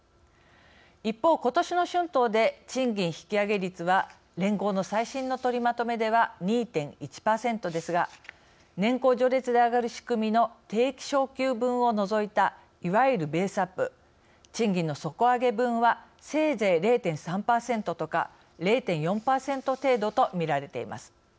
一方、ことしの春闘で賃金引き上げ率は連合の最新の取りまとめでは２．１％ですが年功序列で上がる仕組みの定期昇給分を除いたいわゆるベースアップ賃金の底上げ分はせいぜい０．３％とか０．４％程度とみられています。